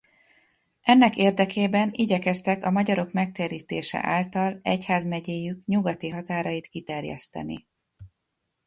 Ennek érdekében igyekeztek a magyarok megtérítése által egyházmegyéjük nyugati határait kiterjeszteni.